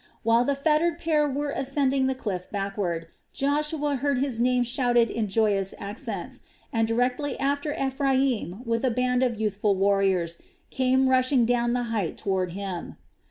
While the fettered pair were ascending the cliff backward, Joshua heard his name shouted in joyous accents, and directly after Ephraim, with a band of youthful warriors, came rushing down the height toward him.